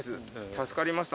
助かりました、